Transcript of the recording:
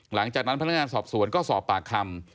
หลังจากนั้นพนักงานสอบสวนก็สอบปากคำ